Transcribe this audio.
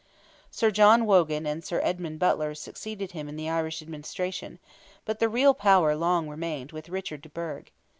Sir John Wogan and Sir Edmund Butler succeeded him in the Irish administration; but the real power long remained with Richard de Burgh.